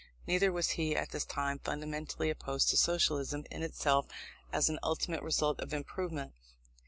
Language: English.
Neither was he, at this time, fundamentally opposed to Socialism in itself as an ultimate result of improvement.